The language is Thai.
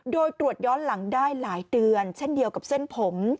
โดยตรวจย้อนหลังได้หลายเดือนเช่นเดียวกับเส้นผม